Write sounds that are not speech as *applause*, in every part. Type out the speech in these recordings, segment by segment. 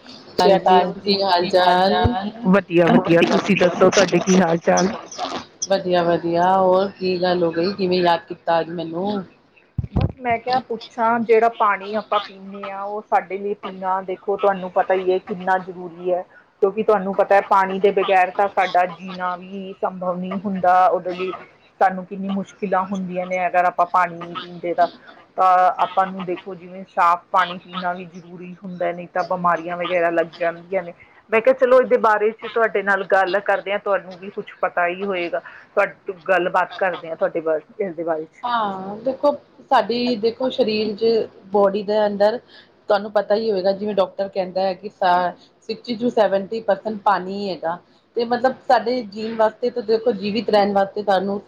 ਹ *inaudible* *inaudible* ਸਤਿ ਸ੍ਰੀ ਅਕਾਲ ਜੀ ਕੀ ਹਾਲ ਚਾਲ, ਵਧੀਆ-ਵਧੀਆ ਤੁਸੀਂ ਦੱਸੋ ਤੁਹਾਡੇ ਕੀ ਹਾਲ- ਚਾਲ ਵਧੀਆ-ਵਧੀਆ ਹੋਰ ਕੀ ਗੱਲ ਹੋ ਗਈ ਕਿਵੇਂ ਯਾਦ ਕੀਤਾ ਅੱਜ ਮੈਨੂੰ ਬਸ ਮੈਂ ਕਿਹਾ ਪੁੱਛਾਂ ਜੇਹੜਾ ਪਾਣੀ ਆਪਾਂ ਪੀਣ ਨੇ ਆ ਉਹ ਸਾਡੇ ਲਈ ਪੀਣਾ ਦੇਖੋ ਤੁਹਾਨੂੰ ਪਤਾ ਹੀ ਏ ਕਿੰਨਾ ਜ਼ਰੂਰੀ ਹੈ। ਕਿਉਂਕਿ ਤੁਹਾਨੂੰ ਪਤਾ ਪਾਣੀ ਦੇ ਬਗੈਰ ਤਾਂ ਸਾਡਾ ਜੀਨਾ ਵੀ ਸੰਭਵ ਨਹੀਂ ਹੁੰਦਾ ਉਹਦੇ ਲਈ ਸਾਨੂੰ ਕਿੰਨੀ ਮੁਸ਼ਕਿਲਾਂ ਹੁੰਦੀਆਂ ਨੇ ਅਗਰ ਆਪਾਂ ਪਾਣੀ ਪੀਂਦੇ ਦਾ ਤਾਂ ਆਪਾਂ ਨੂੰ ਦੇਖੋ ਜਿਵੇਂ ਸਾਫ਼ ਪਾਣੀ ਪੀਣਾ ਵੀ ਜ਼ਰੂਰ ਪੂਰੀ ਹੁੰਦਾ ਨਹੀਂ ਤਾਂ ਬਮਾਰੀਆਂ ਵਗੈਰਾ ਲੱਗ ਜਾਂਦੀਆਂ ਨੇ ਮੈਂ ਕਿਹਾ ਚਲੋ ਇਹਦੇ ਬਾਰੇ 'ਚ ਤੁਹਾਡੇ ਨਾਲ ਗੱਲ ਕਰਦੇ ਆ ਤੁਹਾਨੂੰ ਵੀ ਕੁੱਛ ਪਤਾ ਹੀ ਹੋਏਗਾ। ਤੁਹਾਡੇ ਗੱਲਬਾਤ ਕਰਦੇ ਹਾਂ ਤੁਹਾਡੇ ਬਾਰੇ ਇਸਦੇ ਬਾਰੇ ਚ ਹਾਂ, ਦੇਖੋ ਸਾਡੀ ਦੇਖੋ ਸ਼ਰੀਰ ਚ ਬੋਡੀ ਦੇ ਅੰਦਰ ਤੁਹਾਨੂੰ ਪਤਾ ਹੀ ਹੋਏਗਾ ਜਿਵੇਂ ਡਾਕਟਰ ਕਹਿੰਦਾ ਹੈ ਕਿ ਸਾ ਸਿਕਸਟੀ ਟੂ ਸੈਵਨਟੀ ਪਰਸੈਂਟ ਪਾਨੀ ਹੀ ਹੈਗਾ। ਤੇ ਮਤਲਬ ਸਾਡੇ ਜੀਣ ਵਾਸਤੇ ਦੇਖੋ ਜੀਵਿਤ ਰਹਿਨ ਵਾਸਤੇ ਸਾਨੂੰ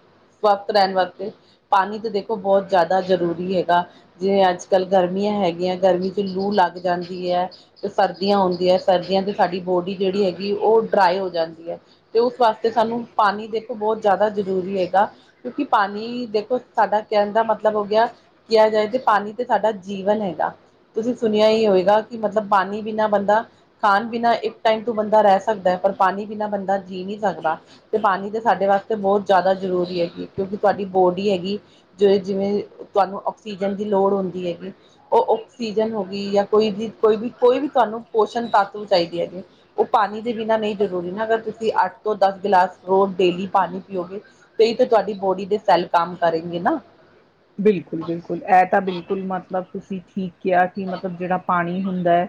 ਸਵਸਥ ਰਹਿਨ ਵਾਸਤੇ, ਪਾਨੀ ਤਾਂ ਦੇਖੋ ਬਹੁਤ ਜ਼ਿਆਦਾ ਜ਼ਰੂਰੀ ਹੈਗਾ। ਜਿਵੇਂ ਅੱਜ ਕੱਲ੍ਹ ਗਰਮੀਆਂ ਹੈਗੀਆਂ ਗਰਮੀ ਚ ਲੂ ਲੱਗ ਜਾਂਦੀ ਐ ਤੇ ਸਰਦੀਆਂ ਆਉਦੀਆਂ ਸਰਦੀਆਂ ਚ ਸਾਡੀ ਬੋਡੀ ਜਿਹੜੀ ਹੈਗੀ ਉਹ ਡਰਾਈ ਹੋ ਜਾਂਦੀ ਐ। ਤੇ ਉਸ ਵਾਸਤੇ ਸਾਨੂੰ ਪਾਨੀ ਦੇਖੋ ਬਹੁਤ ਜ਼ਿਆਦਾ ਜ਼ਰੂਰੀ ਹੈਗਾ ਕਿਉਂਕਿ ਪਾਨੀ ਦੇ ਸਾਡਾ ਕਹਿਨ ਦਾ ਮਤਲਬ ਹੋ ਗਿਆ, ਕਿਆ ਜਾਏ ਤੇ ਪਾਨੀ ਤੇ ਸਾਡਾ ਜੀਵਨ ਹੈਗਾ। ਤੁਸੀਂ ਸੁਨਿਆ ਹੀ ਹੋਏਗਾ ਕਿ ਮਤਲਬ ਪਾਨੀ ਬਿਨਾਂ ਬੰਦਾ ਖਾਨ ਬਿਨਾਂ ਇੱਕ ਟਾਈਮ ਤੋਂ ਬੰਦਾ ਰਹਿ ਸਕਦਾ ਐ ਪਰ ਪਾਨੀ ਬਿਨਾਂ ਬੰਦਾ ਜੀ ਨੀ ਸਕਦਾ ਤੇ ਪਾਨੀ ਤੇ ਸਾਡੇ ਵਾਸਤੇ ਬਹੁਤ ਜ਼ਿਆਦਾ ਜ਼ਰੂਰੀ ਹੈਗੀ ਏ ਕਿਉਂਕਿ ਤਹਾਡੀ ਬੋਡੀ ਡੀ ਹੈਗੀ ਜਿਵੇਂ ਜਿਵੇਂ ਤੁਹਾਨੂੰ ਆਕਸੀਜਨ ਦੀ ਲੋੜ ਹੁੰਦੀ ਹੈਗੀ ਉਹ ਔਕਸੀਜਨ ਹੋ ਗਈ ਜਾਂ ਕੋਈ ਵੀ ਕੋਈ ਵੀ ਕੋਈ ਵੀ ਤੁਹਾਨੂੰ ਪੋਸ਼ਣ ਪਾਤੂ ਚਾਹੀਦੀ ਹੈਗੀ ਏ ਉਹ ਪਾਨੀ ਦੇ ਬਿਨਾਂ ਨਹੀਂ ਜ਼ਰੂਰੀ ਨਾ ਅਗਰ ਤੁਸੀਂ ਅੱਠ ਤੋਂ ਦਸ ਗਲਾਸ ਰੋਜ਼ ਡੇਲੀ ਪਾਣੀ ਪੀਓਗੇ ਤੇ ਇਹੀ ਤਾਂ ਤੁਹਾਡੀ ਬੋਡੀ ਦੇ ਸੈੱਲ ਕੰਮ ਕਰੇਗੇ ਨਾ। ਬਿਲਕੁਲ ਬਿਲਕੁਲ ਇਹ ਤਾਂ ਬਿਲਕੁਲ ਮਤਲਬ ਤੁਸੀਂ ਠੀਕ ਕਿਹਾ ਕਿ ਮਤਲਬ ਜਿਹੜਾ ਪਾਨੀ ਹੁੰਦਾ ਐ।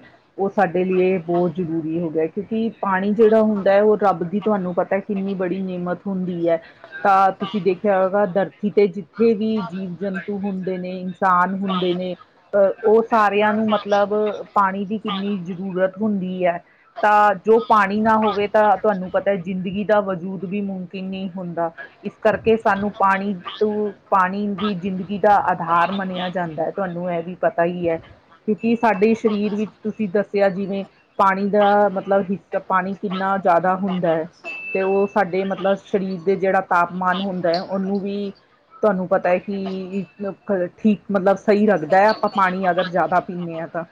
ਸਾਡੇ ਲਈ ਬਹੁਤ ਜ਼ਰੂਰੀ ਹੋ ਗਿਆ ਕਿਉਂਕਿ ਪਾਣੀ ਜਿਹੜਾ ਹੁੰਦਾ ਉਹ ਰੱਬ ਦੀ ਤੁਹਾਨੂੰ ਪਤਾ ਕਿੰਨੀ ਬੜੀ ਨਿਮਤ ਹੁੰਦੀ ਐ ਤਾਂ ਤੁਸੀਂ ਦੇਖਿਆ ਹੋਵੇਗਾ ਦਰ ਤੇ ਜਿੱਥੇ ਵੀ ਜੀਵ ਜੰਤੂ ਹੁੰਦੇ ਨੇ, ਇਨਸਾਨ ਹੁੰਦੇ ਨੇ, ਅਹ ਉਹ ਸਾਰਿਆਂ ਨੂੰ ਮਤਲਬ ਪਾਣੀ ਦੀ ਕਿੰਨੀ ਜ਼ਰੂਰਤ ਹੁੰਦੀ ਐ। ਤਾਂ ਜੋ ਪਾਣੀ ਨਾ ਹੋਵੇ ਤਾਂ ਤੁਹਾਨੂੰ ਪਤਾ ਜ਼ਿੰਦਗੀ ਦਾ ਵਜੂਦ ਵੀ ਮੁਮਕਿਨ ਨਹੀਂ ਹੁੰਦਾ। ਇਸ ਕਰਕੇ ਸਾਨੂੰ ਪਾਣੀ ਤੋਂ ਪਾਨੀ ਦੀ ਜ਼ਿੰਦਗੀ ਦਾ ਆਧਾਰ ਮੰਨਿਆ ਜਾਂਦਾ ਐ। ਤੁਹਾਨੂੰ ਇਹ ਵੀ ਪਤਾ ਈ ਐ ਕਿਉਂਕਿ ਸਾਡੇ ਸਰੀਰ ਵਿੱਚ ਤੁਸੀਂ ਦੱਸ ਦੱਸਿਆ ਜਿਵੇਂ ਪਾਨੀ ਦਾ ਮਤਲਬ ਹਿੱਸਾ ਪਾਣੀ ਕਿਨਾ ਜ਼ਿਆਦਾ ਹੁੰਦਾ ਐ। ਤੇ ਉਹ ਸਾਡੇ ਮਤਲਬ ਸਰੀਰ ਦੇ ਜਿਹੜਾ ਤਾਪਮਾਨ ਹੁੰਦਾ ਏ ਉਹਨੂੰ ਵੀ ਤੁਹਾਨੂੰ ਪਤਾ ਐ ਕਿ ਠੀਕ ਮਤਲਬ ਸਹੀ ਰੱਖਦਾ ਐ ਆਪਾਂ ਪਾਨੀ ਅਗਰ ਜ਼ਿਆਦਾ ਪੀਂਦੇ ਆ ਤਾਂ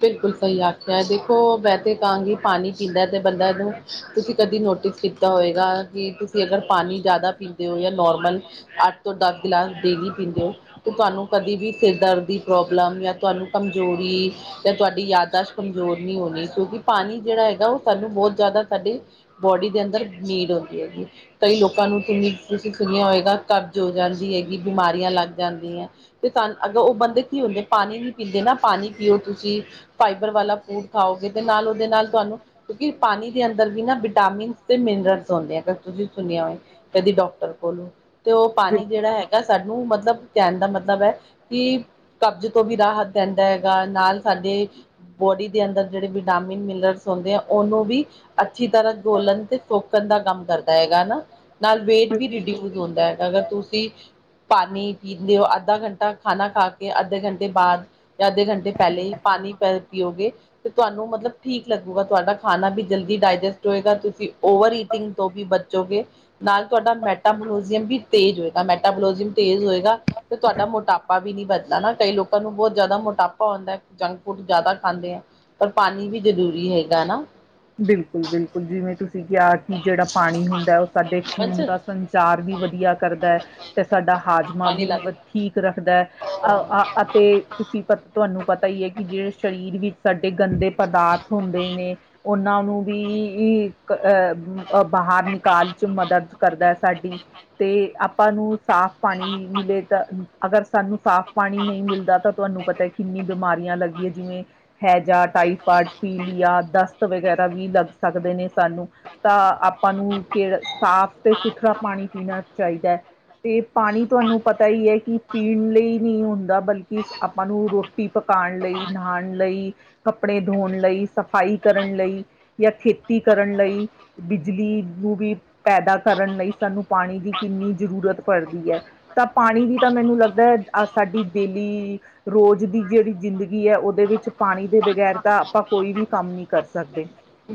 ਬਿਲਕੁਲ ਸਹੀ ਆਖਿਆ ਦੇਖੋ ਮੈ ਤੇ ਕਹਾਂਗੀ ਪਾਨੀ ਪੀਂਦਾ ਤੇ ਬੰਦਾ ਨੂੰ ਤੁਸੀਂ ਕਦੀ ਨੋਟਿਸ ਕੀਤਾ ਹੋਏਗਾ ਕਿ ਤੁਸੀਂ ਤੁਸੀਂ ਅਗਰ ਪਾਨੀ ਜ਼ਿਆਦਾ ਪੀਂਦੇ ਓ ਜਾਂ ਨੋਰਮਲ ਅੱਠ ਤੋਂ ਦਸ ਗਿਲਾਸ ਡੇਲੀ ਪੀਂਦੇ ਓ ਤੇ ਤੁਹਾਨੂੰ ਕਦੇ ਵੀ ਸਿਰ ਦਰਦ ਦੀ ਪ੍ਰੋਬਲਮ ਯਾ ਤੁਹਾਨੂੰ ਕਮਜ਼ੋਰੀ ਤੇ ਤੁਹਾਡੀ ਯਾਦਦਾਸ਼ਤ ਕਮਜ਼ੋਰ ਨਹੀਂ ਹੋਨੀ ਕਿਉਂਕਿ ਪਾਨੀ ਜਿਹੜਾ ਹੈਗਾ ਉਹ ਸਾਨੂੰ ਬਹੁਤ ਜ਼ਿਆਦਾ ਸਾਡੇ ਬੋਡੀ ਦੇ ਅੰਦਰ ਨੀਡ ਹੁੰਦੀ ਹੈਗੀ। ਕਈ ਲੋਕਾਂ ਨੂੰ ਕਿ ਤੁਸੀ ਸੁਨੀਆਂ ਹੋਏਗਾ ਕਬਜ਼ ਹੋ ਜਾਂਦੀ ਹੈਗੀ ਬਿਮਾਰੀਆਂ ਲੱਗ ਜਾਂਦੀਆਂ ਤੇ ਸਾਨੂੰ ਅਗਰ ਉਹ ਬੰਦੇ ਕੀ ਹੁੰਦੇ ਪਾਨੀ ਨੀ ਪੀਂਦੇ ਨਾ ਪਾਨੀ ਪੀਓ ਤੁਸੀਂ ਜੇ ਫਾਈਬਰ ਵਾਲਾ ਫੂਡ ਖਾਓਗੇ ਤੇ ਨਾਲ ਉਹਦੇ ਨਾਲ ਤੁਹਾਨੂੰ ਕਿਉਂਕਿ ਪਾਨੀ ਦੇ ਅੰਦਰ ਵੀ ਨਾ ਵਿਟਾਮਿਨ ਤੇ ਮਿਨਰਲਸ ਹੁੰਦੇ ਜੇ ਤੁਸੀਂ ਸੁਨਿਆ ਹੋਵੇ। ਕਦੀ ਡਾਕਟਰ ਕੋਲੋਂ ਤੇ ਉਹ ਪਾਨੀ ਜਿਹੜਾ ਹੈਗਾ ਸਾਨੂੰ ਮਤਲਬ ਕਹਿਣ ਦਾ ਮਤਲਬ ਐ ਕਿ ਕਬਜ਼ ਤੋਂ ਵੀ ਰਾਹਤ ਦਿੰਦਾ ਹੈਗਾ ਨਾਲ ਸਾਡੇ ਬੋਡੀ ਦੇ ਅੰਦਰ ਜਿਹੜੇ ਵਿਟਾਮਿਨ ਮਿਨਰਲਸ ਹੁੰਦੇ ਆ ਉਹਨੂੰ ਵੀ ਅੱਛੀ ਤਰਹ ਦੋਲਣ ਤੇ ਸੋਕਣ ਦਾ ਕੰਮ ਕਰਦਾ ਹੈਗਾ ਨਾ। ਨਾਲ ਹਨਾ। ਵੇਟ ਵੀ ਰਿਡਿਊਜ਼ ਹੁੰਦਾ ਐ ਅਗਰ ਤੁਸੀਂ ਪਾਨੀ ਪੀਂਦੇ ਓ ਅੱਧਾ ਘੰਟਾ ਖਾਨਾ ਖਾ ਕੇ ਅੱਧੇ ਘੰਟੇ ਬਾਅਦ ਜਾਂ ਅੱਧੇ ਘੰਟੇ ਪਹਿਲੇ ਪਾਨੀ ਪੈ ਪੀਓਗੇ। ਤੇ ਤੁਹਾਨੂੰ ਮਤਲਬ ਠੀਕ ਲਗੂਗਾ ਤੁਹਾਡਾ ਖਾਨਾ ਵੀ ਜਲਦੀ ਡਾਇਜੈਸਟ ਹੋਏਗਾ ਤੁਸੀਂ ਓਵਰ ਤੋਂ ਵੀ ਬਚੋਗੇ ਨਾਲ ਤੁਹਾਡਾ ਮੈਟਾਬਲੋਜ਼ਿਅਮ ਵੀ ਤੇਜ਼ ਹੋਏਗਾ, ਮੈਟਾਬਲੋਜ਼ਿਅਮ ਤੇਜ਼ ਹੋਏਗਾ। ਤੇ ਤੁਹਾਡਾ ਮੋਟਾਪਾ ਵੀ ਨੀ ਬਨਦਾ ਨਾ ਕਈ ਲੋਕਾਂ ਨੂੰ ਬਹੁਤ ਜ਼ਿਆਦਾ ਮੋਟਾਪਾ ਆਉਂਦਾ ਜੰਕ ਫੂਡ ਜ਼ਿਆਦਾ ਖਾਂਦੇ ਆ ਪਰ ਪਾਨੀ ਵੀ ਜ਼ਰੂਰੀ ਹੈਗਾ ਨਾ। ਬਿਲਕੁਲ ਬਿਲਕੁਲ ਜਿਵੇਂ ਤੁਸੀਂ ਤੇ ਗਿਆ ਜੀ ਜਿਹੜਾ ਪਾਣੀ ਹੁੰਦਾ ਉਹ ਸਾਡੇ ਪੰਚ ਖੂਨ ਦਾ ਸੰਚਾਰ ਵੀ ਵਧੀਆ ਕਰਦਾ ਤੇ ਸਾਡਾ ਹਾਜ਼ਮਾ ਪਾਣੀ ਵੀ ਲੱਗ ਠੀਕ ਰੱਖਦਾ ਹੈ ਅਹ ਆਹ ਅਤੇ ਤੁਸੀਂ ਪ ਤੁਹਾਨੂੰ ਪਤਾ ਈ ਏ ਕਿ ਜਿਹੜੇ ਸਰੀਰ ਵਿੱਚ ਸਾਡੇ ਗੰਦੇ ਪਦਾਰਥ ਹੁੰਦੇ ਨੇ ਉਹਨਾਂ ਨੂੰ ਵੀ ਈ ਅਹ ਬਾਹਰ ਨਿਕਾਲ ਚ ਮਦਦ ਕਰਦਾ ਸਾਡੀ ਤੇ ਆਪਾਂ ਨੂੰ ਸਾਫ਼ ਪਾਣੀ ਮਿਲੇ ਤਾਂ ਅਗਰ ਸਾਨੂੰ ਸਾਫ਼ ਪਾਣੀ ਨਹੀਂ ਮਿਲਦਾ ਤਾਂ ਤੁਹਾਨੂੰ ਪਤਾ ਕਿੰਨੀ ਬਿਮਾਰੀਆਂ ਲੱਗਦੀਆਂ ਜਿਵੇਂ ਹੈਜ਼ਾ, ਟਾਈਫਾਇਡ, ਪੀਲੀਆ, ਦਸਤ ਵਗੈਰਾ ਵੀ ਲੱਗ ਸਕਦੇ ਨੇ ਸਾਨੂੰ। ਤਾਂ ਆਪਾਂ ਨੂੰ ਕਿੜਾ ਸਾਫ਼ ਤੇ ਸੁਥਰਾ ਪਾਣੀ ਪੀਣਾ ਚਾਹੀਦਾ ਹੈ। ਤੇ ਪਾਣੀ ਤੁਹਾਨੂੰ ਪਤਾ ਹੀ ਹੈ ਕਿ ਪੀਣ ਲਈ ਨਹੀਂ ਹੁਣ ਬਲਕਿ ਆਪਾਂ ਨੂੰ ਰੋਟੀ ਪਕਾਣ ਲਈ ਨਹਾਣ ਲਈ ਕੱਪੜੇ ਧੋਣ ਲਈ, ਸਫ਼ਾਈ ਕਰਨ ਲਈ, ਜਾਂ ਖੇਤੀ ਕਰਨ ਲਈ ਬਿਜਲੀ ਨੂੰ ਵੀ ਪੈਦਾ ਕਰਨ ਲਈ ਸਾਨੂੰ ਪਾਣੀ ਦੀ ਕਿੰਨੀ ਜ਼ਰੂਰਤ ਪੜਦੀ ਹੈ‌। ਤਾਂ ਪਾਣੀ ਦੀ ਤਾਂ ਮੈਨੂੰ ਲੱਗਦਾ ਹੈ ਅਹ ਸਾਡੀ ਡੇਲੀ ਰੋਜ਼ ਦੀ ਜਿਹੜੀ ਜ਼ਿੰਦਗੀ ਹੈ ਉਹਦੇ ਵਿੱਚ ਪਾਣੀ ਦੇ ਬਗੈਰ ਤਾਂ ਆਪਾਂ ਕੋਈ ਵੀ ਕੰਮ ਨਹੀਂ ਕਰ ਸਕਦੇ।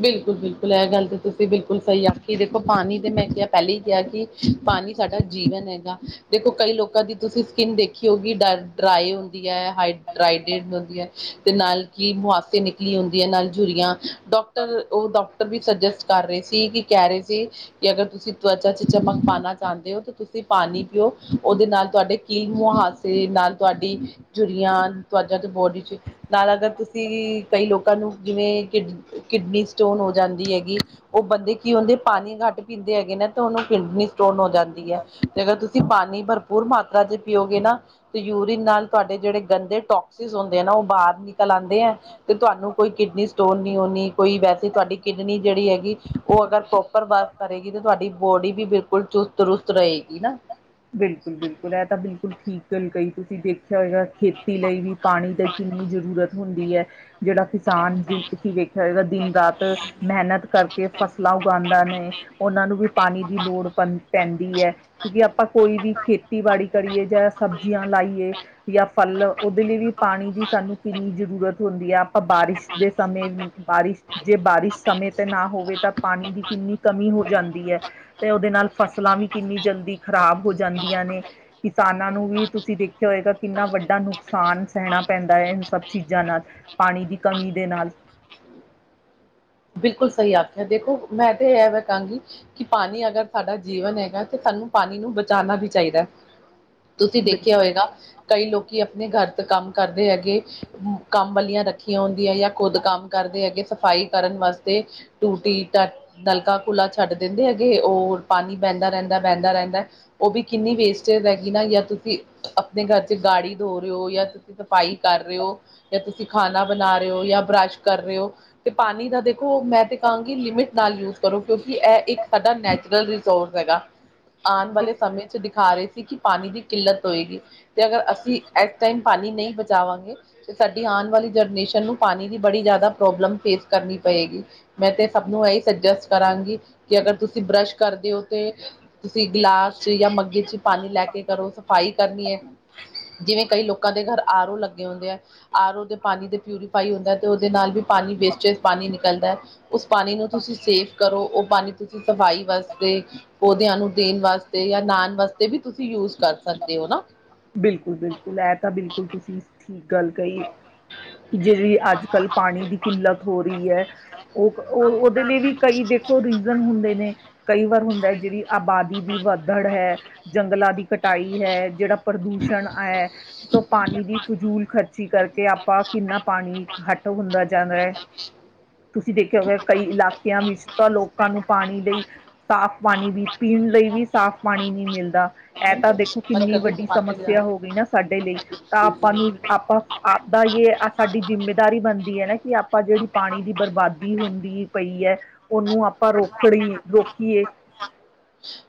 ਬਿਲਕੁਲ, ਬਿਲਕੁਲ ਇਹ ਗੱਲ ਤਾਂ ਤੁਸੀਂ ਬਿਲਕੁਲ ਸਹੀ ਆਖੀ ਦੇਖੋ ਪਾਣੀ ਤੇ ਮੈਂ ਕਿਹਾ ਪਹਿਲਾਂ ਹੀ ਕਿਹਾ ਕਿ ਪਾਣੀ ਸਾਡਾ ਜੀਵਨ ਹੈਗਾ। ਦੇਖੋ ਕਈ ਲੋਕਾਂ ਦੀ ਤੁਸੀਂ ਸਕਿੰਨ ਦੇਖੀ ਹੋਗੀ ਡਰ ਡਰਾਈ ਹੁੰਦੀ ਹੈ ਹਾਈ ਡਰਾਈ ਸਕਿਨ ਹੁੰਦੀ ਆ ਤੇ ਨਾਲ ਕੀਲ ਮੁਹਾਸੇ ਨਿਕਲੀ ਹੁੰਦੀ ਹੈ ਨਾਲ ਝੂਰੀਆਂ ਡੋਕ ਟਰ ਉਹ ਡਾਕਟਰ ਵੀ ਸੁਜੈਸਟ ਕਰ ਰਹੇ ਸੀ ਕਿ ਕਹਿ ਰਹੇ ਸੀ ਕਿ ਅਗਰ ਤੁਸੀਂ ਤਵਚਾ ਚ ਚਮਕ ਪਾਉਣਾ ਚਾਹੁੰਦੇ ਹੋ ਤਾਂ ਤੁਸੀਂ ਪਾਣੀ ਪੀਓ ਉਹਦੇ ਨਾਲ ਤੁਹਾਡੇ ਕੀਲ ਮੁਹਾਂਸੇ ਨਾਲ ਤੁਹਾਡੀ ਝੂਰੀਆਂ ਤਵਚਾਂ ਚ ਬੋਡੀ ਚ ਨਾਲ ਅਗਰ ਤੁਸੀਂ ਕਈ ਲੋਕਾਂ ਨੂੰ ਜਿਵੇਂ ਕਿ ਕਿਡਨੀ ਸਟੋਨ ਹੋ ਜਾਂਦੀ ਹੈਗੀ ਉਹ ਬੰਦੇ ਕੀ ਹੁੰਦੇ ਪਾਣੀ ਘੱਟ ਪੀਂਦੇ ਹੈਗੇ ਨਾ ਤੇ ਉਹਨੂੰ ਕਿਡਨੀ ਸਟੋਨ ਹੋ ਜਾਂਦੀ ਹੈ। ਜੇ ਅਗਰ ਤੁਸੀਂ ਪਾਣੀ ਭਰਪੂਰ ਮਾਤਰਾ ਚ ਪੀਓਗੇ ਨਾ ਤੇ ਯੂਰੀਨ ਨਾਲ ਤੁਹਾਡੇ ਜਿਹੜੇ ਗੰਦੇ ਟੋਕਸਿਸ ਹੁੰਦੇ ਆ ਨਾ ਉਹ ਬਾਹਰ ਨਿਕਲ ਆਂਦੇ ਆ। ਤੇ ਤੁਹਾਨੂੰ ਕੋਈ ਕਿਡਨੀ ਸਟੋਨ ਨੀ ਹ ਕੋਈ ਵੈਸੇ ਤੁਹਾਡੀ ਕਿਡਨੀ ਜਿਹੜੀ ਹੈਗੀ ਉਹ ਅਗਰ ਪ੍ਰੋਪਰ ਵਰਕ ਕਰੇਗੀ ਤਾਂ ਤੁਹਾਡੀ ਬੋਡੀ ਵੀ ਬਿਲਕੁਲ ਚੁਸਤ ਦਰੁਸਤ ਰਹੇਗੀ ਨਾ। ਬਿਲਕੁਲ, ਬਿਲਕੁਲ ਇਹ ਤਾਂ ਬਿਲਕੁਲ ਠੀਕ ਗੱਲ ਕਹੀ ਤੁਸੀਂ ਦੇਖਿਆ ਹੋਏਗਾ ਖੇਤੀ ਲਈ ਵੀ ਪਾਣੀ ਦੇ ਕਿੰਨੀ ਜ਼ਰੂਰਤ ਹੁੰਦੀ ਹੈ ਜਿਹੜਾ ਕਿਸਾਨ ਤੁਸੀਂ ਵੇਖਿਆ ਹੋਏਗਾ ਦਿਨ ਰਾਤ ਮਿਹਨਤ ਕਰਕੇ ਫਸਲਾਂ ਉਗਾਉਂਦਾ ਨੇ ਉਹਨਾਂ ਨੂੰ ਵੀ ਪਾਣੀ ਦੀ ਲੋੜ ਪ ਪੈਂਦੀ ਹੈ। ਕਿਉਂਕਿ ਆਪਾਂ ਕੋਈ ਵੀ ਖੇਤੀਬਾੜੀ ਕਰੀਏ ਜਾਂ ਸਬਜ਼ੀਆਂ ਲਾਈਏ ਜਾਂ ਫੱਲ ਉਹਦੇ ਲਈ ਵੀ ਪਾਣੀ ਦੀ ਸਾਨੂੰ ਕਿੰਨੀ ਜ਼ਰੂਰਤ ਹੁੰਦੀ ਆਪਾਂ ਬਾਰਿਸ਼ ਦੇ ਸਮੇਂ ਬਾਰਿਸ਼ ਜੇ ਬਾਰਿਸ਼ ਸਮੇਂ ਤੇ ਨਾ ਹੋਵੇ ਤਾਂ ਪਾਣੀ ਦੀ ਕਿੰਨੀ ਕਮੀ ਹੋ ਜਾਂਦੀ ਹੈ। ਤੇ ਉਹਦੇ ਨਾਲ ਫਸਲਾਂ ਵੀ ਕਿੰਨੀ ਜਲਦੀ ਖ਼ਰਾਬ ਹੋ ਜਾਂਦੀਆਂ ਨੇ। ਕਿਸਾਨਾਂ ਨੂੰ ਵੀ ਤੁਸੀਂ ਦੇਖਿਆ ਹੋਏਗਾ ਕਿੰਨਾ ਵੱਡਾ ਨੁਕਸਾਨ ਸਹਿਣਾ ਪੈਂਦਾ ਹੈ ਇਹ ਸਭ ਚੀਜ਼ਾਂ ਨਾਲ ਪਾਣੀ ਦੀ ਕਮੀ ਦੇ ਨਾਲ ਬਿਲਕੁਲ ਸਹੀ ਆਖਿਆ ਦੇਖੋ ਮੈਂ ਵੇ ਐਵੇਂ ਕਹਾਂਗੀ। ਕਿ ਪਾਣੀ ਅਗਰ ਸਾਡਾ ਜੀਵਨ ਹੈਗਾ ਤੇ ਸਾਨੂੰ ਪਾਣੀ ਨੂੰ ਬਚਾਉਣਾ ਵੀ ਚਾਹੀਦਾ ਹੈ। ਤੁਸੀਂ ਦੇਖਿਆ ਹੋਏਗਾ ਕਈ ਲੋਕੀ ਆਪਣੇ ਗਰ ਚ ਕੰਮ ਕਰਦੇ ਹੈਗੇ ਕੰਮ ਵਾਲੀਆਂ ਰੱਖੀਆਂ ਹੁੰਦੀਯੈ ਯਾਂ ਖੁੱਦ ਕੰਮ ਕਰਦੇ ਹੈਗੇ ਸਫ਼ਾਈ ਕਰਨ ਵਾਸਤੇ ਟੂਟੀ ਟਾ ਨਲਕਾ ਖੁੱਲਾ ਛੱਡ ਦਿੰਦੇ ਹੈਗੇ, ਉਹ ਪਾਣੀ ਬਹੰਦਾ ਰਹੰਦੈ- ਬਹੰਦਾ ਰਹੰਦੈ। ਉਹ ਵੀ ਕਿੰਨੀ ਵੇਸਟਜ ਹੈਗੀ ਨਾ ਯਾਂ ਤੁਸੀਂ ਆਪਣੇ ਗਰ ਚ ਗਾੜੀ ਦੋ ਰਹੇ ਹੋ ਯਾਂ ਸਫ਼ਾਈ ਕਰ ਰੇ ੳ, ਜਾਂ ਤੁਸੀਂ ਖਾਣਾ ਬਣਾ ਰੇ ੳ, ਯਾਂ ਬਰੱਸ਼ ਕਰ ਰੇ ੳ ਪਾਣੀ ਦਾ ਦੇਖੋ ਮੈਂ ਤੇ ਕਾਂਗੀ ਲਿਮਿਟ ਨਾਲ ਯੂਜ ਕਰੋ ਕਿਉਂਕਿ ਇਹ ਇੱਕ ਸਾਡਾ ਨੈਚੁਰਲ ਰਿਸੋਰਸ ਹੈਗਾ। ਆਣ ਵਾਲੇ ਸਮੇਂ 'ਚ ਦਿਖਾ ਰੇ ਸੀ ਕਿ ਪਾਣੀ ਦੀ ਕਿੱਲਤ ਹੋੲਗੀ।। ਤੇ ਅਗਰ ਅਸੀ ਐਸ ਟਾਈਮ ਪਾਣੀ ਨਹੀਂ ਬਚਾਵਾਂਗੇ ਤੇ ਸਾਡੀ ਆਣ ਵਾਲੀ ਜਰਨੇਸ਼ਨ ਨੂੰ ਪਾਣੀ ਦੀ ਬੜੀ ਜ਼ਾਦਾ ਪ੍ਰੋਬਲਮ ਫੇਸ ਕਰਨੀ ਪਏਗੀ। ਮੈਂ ਤੇ ਸਭ ਨੂੰ ਐਈ ਸਜੈਸ ਕਰਾਂਗੀ ਕਿ ਅਗਰ ਤੁਸੀ ਬਰੱਸ਼ ਕਰਦੇ ਓ ਤੇ ਤੁਸੀ ਗਲਾਸ ਚ ਯਾ ਮੱਗੇ ਚ ਪਾਣੀ ਲੈ ਕੇ ਕਰੋ, ਸਫ਼ਾਈ ਕਰਨੀ ਐ ਜਿਵੇਂ ਕਈ ਲੋਕਾਂ ਦੇ ਘਰ ਆਰ ਓ ਲੱਗੇ ਹੁੰਦੈ ਐ ਆਰ ਓ ਦੇ ਪਾਣੀ ਦੇ ਪਿਊਰੀਫਾਈ ਹੁੰਦੈ ਤੇ ਉਦੇ ਨਾਲ ਵੀ ਪਾਣੀ ਵੇਸਟੇਜ ਪਾਣੀ ਨਿਕਲ ਦੈ। ਉਸ ਪਾਣੀ ਨੂੰ ਤੁਸੀਂ ਸੇਫ ਕਰੋ, ਓ ਪਾਣੀ ਤੁਸੀ ਸਫਾਈ ਵਸਤੇ ਪੋਦਆਂ ਨੂੰ ਦੇਣ ਵਾਸਤੇ ਯਾਂ ਨਾਣ ਵਾਸਤੇ ਵੀ ਤੁਸੀ ਯੂਸ ਕਰ ਸਕਦੇ ਓ ਨਾ। ਬਿਲਕੁਲ ਬਿਲਕੁਲ ਲੈ ਤਾ ਬਿਲਕੁਲ ਤੁਸ ਠੀਕ ਗੱਲ ਕਈ ਏ। ਜੇਰੀ ਅੱਜ- ਕੱਲ੍ਹ ਪਾਣੀ ਦੀ ਕਿੱਲਤ ਹੋ ਰੀ ਐ ਉ ਕ ਉ ਉ ਦੇ ਲੀ ਵੀ ਕਈ ਦੇਖੋ ਰੀਜ਼ਨ ਹੁੰਦੇ ਨੇ ਕਈ ਵਰ ਹੁੰਦੈ ਜਿੜੀ ਆਬਾਦੀ ਦੀ ਵੱਧੜ ਹੈ, ਜੰਗਲਾ ਦੀ ਕਟਾਈ ਹੈ ਜੇੜਾ ਪ੍ਰਦੂਸ਼ਣ ਅਐ ਤੋ ਪਾਣੀ ਦੀ ਫਜੂਲ ਖਰ ਚੀ ਕਰਕੇ ਆਪਾ ਕਿੰਨਾ ਪਾਣੀ ਖੱਟ ਹੁੰਦਾ ਜਾਦੈ। ਤੁਸੀ ਦੇਖਿਆ ਹੋਯੈ ਕਈ ਇਲਾਕਆਂ ਵਿੱਚ ਤਾ ਲੋਕਾਂ ਨੂੰ ਪਾਣੀ ਲਈ ਸਾਫ਼ ਪਾਣੀ ਵੀ, ਪੀਣ ਲਈ ਵੀ ਸਾਫ਼ ਪਾਣੀ ਨੀਂ ਮਿਲਦਾ। ਐ ਤਾ ਦੇਖੋ ਬੰਦ ਕਿੰਨੀ ਕਰਦੇ ਵੱਡੀ ਸਮੱਸਿਆ ਟਮਾਟਰ ਹੋ ਗਈ ਨਾ ਸਾਡੇ ਲਈ, ਤਾ ਵੀ ਆਪਾਂ ਨੂੰ ਆਪਾਂ ਆਪਦਾ ਯੇ ਆ ਸਾਡੀ ਜ਼ਿੰਮੇਦਾਰੀ ਬਣਦੀ ਐ ਨਾ ਕਿ ਆਪਾ ਜੇੜੀ ਪਾਣੀ ਦੀ ਬਰਬਾਦੀ ਹੁੰਦੀ ੲ ਪਈ ਐ ਓਨੂੰ ਆਪਾਂ ਰੋਕੜੀ, ਰੋਕੀਯੇ।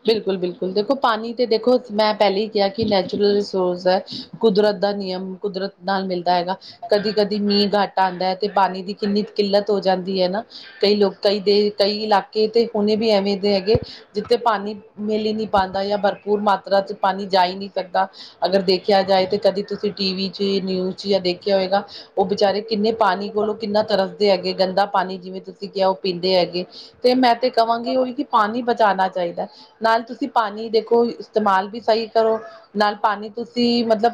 ਬਿਲਕੁਲ- ਬਿਲਕੁਲ। ਦੇਖੋ ਪਾਣੀ ਤੇ ਦੇਖੋ ਮੈਂ ਪੈਲੇਈ ਕਯੈ ਕਿ ਨੈਚੁਰਲ ਰਿਸੋਸ ਐ। ਕੁਦਰਤ ਦਾ ਨਿਯਮ, ਕੁਦਰਤ ਨਾਲ ਮਿਲਦਾ ਐਗਾ। ਕਦੀ- ਕਦੀ ਮੀਂ ਘੱਟ ਆਂਦੈ ਤੇ ਪਾਣੀ ਦੀ ਕਿੰਨੀ ਕਿੱਲਤ ਹੋ ਜਾਂਦੀ ਐ ਨਾ। ਕਈ ਲੋ ਕਈ ਦੇ ਕਈ ਇਲਾਕੇ ਤੇ ਹੁਣੇ ਵੀ ਐਵੇਂ ਦੇ ਐਗੇ ਜਿੱਤੇ ਪਾਣੀ ਮਿਲ ਈ ਨੀਂ ਪਾਂਦਾ ਯਾਂ ਬਰਪੂਰ ਮਾਤਰਾ ਚ ਪਾਣੀ ਜਾ ਈ ਨੀਂ ਸਕਦਾ। ਅਗਰ ਦੇਖਿਆ ਜਾਏ ਤੇ ਕਦੀ ਤੁਸੀ ਟੀ ਵੀ ਚ ਨਿਊਜ਼ ਚ ਜਾ ਦੇਖਿਆ ਓਏਗਾ ਓ ਵਿਚਾਰੇ ਕਿੰਨੇ ਪਾਣੀ ਕੋਲੋ ਕਿੰਨਾ ਤਰਸਦੇ ਹੈਗੇ। ਗੰਦਾ ਪਾਣੀ ਜਿਵੇਂ ਤੁਸੀ ਕਿਆ ਓ ਪੀਂਦੇ ਐਗੇ ਤੇ ਮੈਂ ਤੇ ਕਵਾਂਗੀ ਉਈ ਕਿ ਪਾਣੀ ਬਚਾਣਾ ਚਾਈਦੈ। ਨਾਲ ਤੁਸੀ ਪਾਣੀ ਦੇਖੋ ਇਸਤਮਾਲ ਵੀ ਸਈ ਕਰੋ ਨਾਲ ਪਾਣੀ ਤੁਸੀ ਮਤਲਬ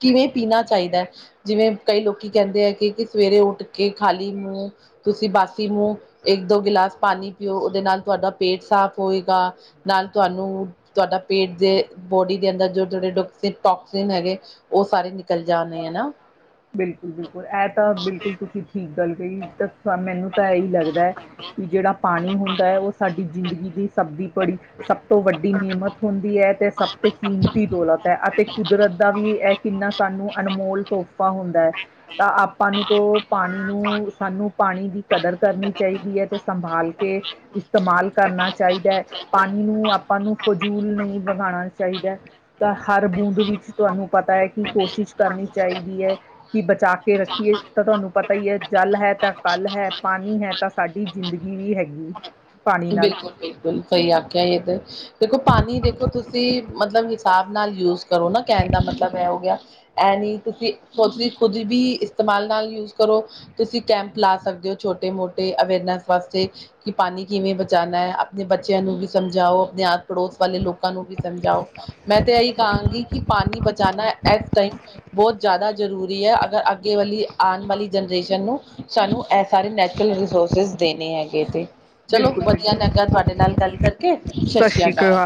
ਕਿਵੇਂ ਪੀਣਾ ਚਾਈਦੈ? ਜਿਵੇਂ ਕਈ ਲੋਕੀ ਕੈਂਦੇ ਐ ਕਿ, ਕਿ ਸਵੇਰੇ ਉੱਠ ਕੇ ਖਾਲੀ ਮੂੰ, ਤੁਸੀ ਬਾਸੀ ਮੂੰ ਏਕ- ਦੋ ਗਿਲਾਸ ਪਾਣੀ ਪੀਓ ਉਦੇ ਨਾਲ ਤੁਆਡਾ ਪੇਟ ਸਾਫ਼ ਗਾ ਨਾਲ ਤੁਆਨੂੰ ਤੁਆਡਾ ਪੇਟ ਦੇ, ਬੌਡੀ ਦੇ ਅੰਦਰ ਜੋ ਜੇੜੇ ਟੁਕਸ ਟੌਕਸਿਨ ਹੈਗੇ ਉ ਸਾਰੇ ਨਿਕਲ ਜਾਣੇ ਆ ਨਾ। ਬਿਲਕੁਲ- ਬਿਲਕੁਲ, ਐ ਤਾ ਬਿਲਕੁਲ ਤੁਸੀ ਠੀਕ ਗੱਲ ਕਈ ਏ ਦਸਾ ਮੈਨੂੰ ਤਾ ਐਈ ਲਗਦੈ ਵੀ ਜੇੜਾ ਪਾਣੀ ਹੁੰਦੈ ਓ ਸਾਡੀ ਜ਼ਿੰਦਗੀ ਦੀ ਸਬਦੀ ਪੜੀ ਸਭ ਤੋ ਵੱਡੀ ਨੀਮਤ ਹੋਂਦੀ ਹੈ, ਤੇ ਸਭ ਤੇ ਕੀਮਤੀ ਦੋਲਤ ਐ ਅਤੇ ਕੁਦਰਤ ਦਾ ਵੀ ਐ ਕਿੰਨਾ ਸਾਨੂੰ ਅਨਮੋਲ ਤੋਹਫ਼ਾ ਹੁੰਦੈ ਐ, ਤਾ ਆਪਾ ਨੂੰ ਤੋ ਪਾਣੀ ਨੂੰ, ਸਾਨੂੰ ਪਾਣੀ ਦੀ ਕਦਰ ਕਰਨੀ ਚਾਹੀਦੀ ਐ ਤੇ ਸੰਭਾਲ ਕੇ ਇਸਤਮਾਲ ਕਰਨਾ ਚਾਈਦਾ ਐ, ਪਾਣੀ ਨੂੰ ਆਪਾਂ ਨੂੰ ਫਜੂਲ ਨਈਂ ਵਗਾਣਾ ਚਾਈਦਾ ਐ। ਤਾਂ ਹਰ ਬੂੰਦ ਵਿੱਚ ਤੁਹਾਨੂੰ ਪਤਾ ਏ, ਕੀ ਕੋਸ਼ਿਸ਼ ਕਰਨੀ ਚਾਈਦੀ ਐ ਕੀ ਬਚਾ ਕੇ ਰੱਖੀਏ ਤਾ ਤੁਆਨੂੰ ਪਤਾ ਪਈ ਐ ਜਲ ਹੈ ਤਾ ਕੱਲ੍ਹ ਹੈ, ਪਾਣੀ ਹੈ ਤਾ ਸਾਡੀ ਜ਼ਿੰਦਗੀ ਵੀ ਹੈਗੀ। ਪਾਣੀ ਨਾਲ ਬਿਲਕੁਲ- ਬਿਲਕੁਲ ਸਈ ਆਖਿਆ ਏ ਤੇ ਦੇਖੋ ਪਾਣੀ ਦੇਖੋ ਤੁਸੀ ਮਤਲਬ ਹਿਸਾਬ ਨਾਲ ਯੂਜ ਕਰੋ ਨਾ ਕਹਿਣ ਦਾ ਮਤਲਬ ਇਹ ਹੋ ਗਿਆ, ਇਹ ਨੀ ਤੁਸੀਂ ਉਹ ਤੁਂ ਖੁਦ ਵੀ ਇਸਤੇਮਾਲ ਨਾਲ ਯੂਜ ਕਰੋ, ਤੁਸੀਂ ਕੈਂਪ ਲਾ ਸਕਦੇ ਹੋ ਛੋਟੇ ਮੋਟੇ ਅਵੇਅਰਨੈਸ ਵਾਸਤੇ ਕਿ ਪਾਣੀ ਕਿਵੇਂ ਬਚਾਉਣਾ ਹੈ, ਆਪਣੇ ਬੱਚਿਆਂ ਨੂੰ ਵੀ ਸਮਝਾਓ ਆਪਣੇ ਆਸ ਪੜੋਸ ਵਾਲੇ ਲੋਕਾਂ ਨੂੰ ਵੀ ਸਮਝਾਓ ਮੈਂ ਤਾਂ ਇਹੀ ਕਹਾਂਗੀ ਕਿ ਪਾਣੀ ਬਚਾਉਣਾ ਇਸ ਟਾਈਮ ਬਹੁਤ ਜ਼ਿਆਦਾ ਜ਼ਰੂਰੀ ਹੈ ਅਗਰ ਅੱਗੇ ਆਉਣ ਵਾਲੀ ਜਨਰੇਸ਼ਨ ਨੂੰ ਸਾਨੂੰ ਇਹ ਸਾਰੇ ਨੈਚੁਰਲ ਰਿਸੋਰਸਿਸ ਦੇਣੇ ਹੈਗੇ ਤੇ ਚਲੋ ਬਿਲਕੁਲ ਵਧੀਆ ਬਿਲਕੁਲ ਲਗਾ ਤੁਹਾਡੇ ਨਾਲ ਗੱਲ ਕਰਕੇ, ਸਤਿ ਸਤਿ ਸ੍ਰੀ ਸ਼੍ਰੀ ਅਕਾਲ।